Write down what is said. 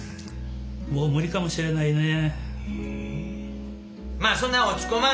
もう無理かもしれないねえ。